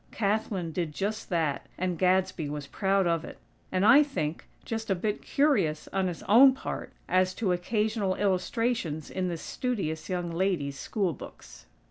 Kathlyn did just that; and Gadsby was proud of it; and I think, just a bit curious on his own part as to occasional illustrations in this studious young lady's school books!